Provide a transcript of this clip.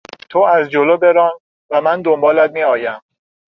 تو از جلو بران و من دنبالت میآیم.